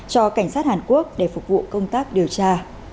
cho cảnh sát hàn quốc để phục vụ công tác điều tra